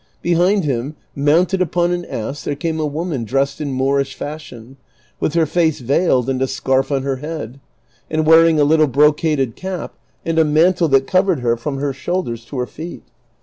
Behind him, mounted upon an ass, there came a woman dressed in Moorish fashion, with her face veiled and a scarf on her head, and wearing a little brocaded cap, and a mantle that covered her from her shoulders to her feet.